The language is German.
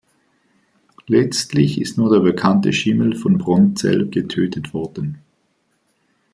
Letztlich ist nur der bekannte Schimmel von Bronnzell getötet worden.